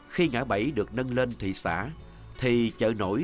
thì chợ nổi được khu thương mại thị xã ngã bảy phùng hiệp